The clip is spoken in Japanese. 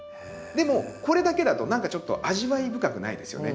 でもこれだけだと何かちょっと味わい深くないですよね。